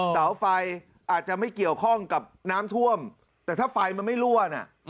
เสาไฟอาจจะไม่เกี่ยวข้องกับน้ำท่วมแต่ถ้าไฟมันไม่รั่วน่ะ